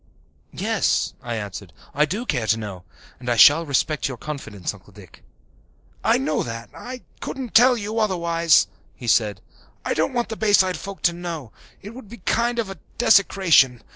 "Yes," I answered, "I do care to know. And I shall respect your confidence, Uncle Dick." "I know that. I couldn't tell you, otherwise," he said. "I don't want the Bayside folk to know it would be a kind of desecration.